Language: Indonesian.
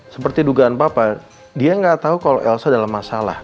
seperti dugaan papa dia gak tau kalo elsa dalam masalah